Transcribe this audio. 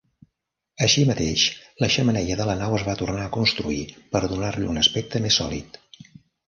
Així mateix, la xemeneia de la nau es va tornar a construir per donar-li un aspecte més sòlid.